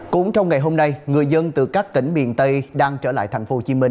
cũng trong ngày hôm nay người dân từ các tỉnh miền tây đang trở lại tp hcm